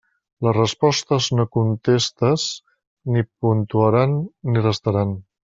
Les respostes no contestes ni puntuaran ni restaran.